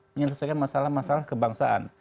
menyelesaikan masalah masalah kebangsaan